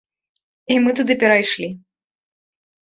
І мы туды перайшлі.